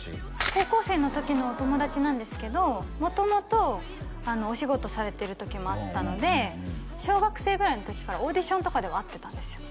高校生の時のお友達なんですけど元々お仕事されてる時もあったので小学生ぐらいの時からオーディションとかでは会ってたんですよ